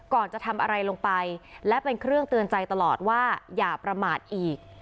จะทำอะไรลงไปและเป็นเครื่องเตือนใจตลอดว่าอย่าประมาทอีก